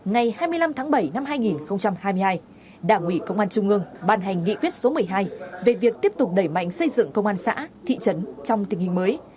ngày hai mươi năm tháng bảy năm hai nghìn hai mươi hai đảng ủy công an trung ương ban hành nghị quyết số một mươi hai về việc tiếp tục đẩy mạnh xây dựng công an xã thị trấn trong tình hình mới